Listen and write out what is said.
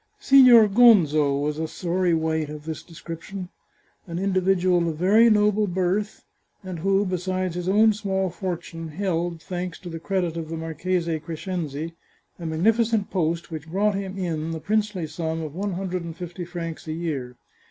Signor Gonzo was a sorry wight of this description, an individual of very noble birth, and who, besides his own small fortune, held^ thanks to the credit of the Marchese Cres cenzi, a magnificent post which brought him in the princely sum of one hundred and fifty francs a year.